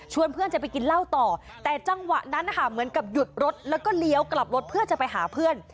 เพื่อนจะไปกินเหล้าต่อแต่จังหวะนั้นนะคะเหมือนกับหยุดรถแล้วก็เลี้ยวกลับรถเพื่อจะไปหาเพื่อน